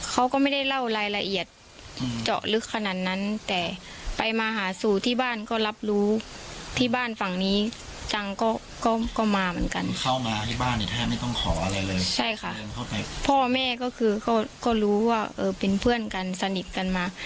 เขาไม่เคยยุ่งเกี่ยวกับยาเสพติดเลย